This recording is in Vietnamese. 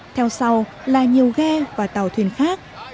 theo sau là nhiều ghe và tàu thuyền khác